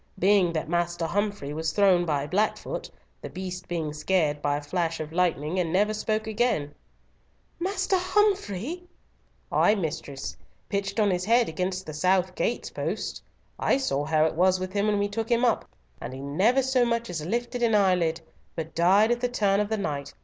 Being that Master Humfrey was thrown by Blackfoot, the beast being scared by a flash of lightning, and never spoke again." "Master Humfrey!" "Ay, mistress. Pitched on his head against the south gate post. I saw how it was with him when we took him up, and he never so much as lifted an eyelid, but died at the turn of the night.